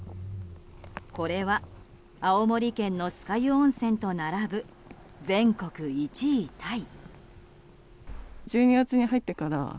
これは青森県の酸ヶ湯温泉と並ぶ全国１位タイ。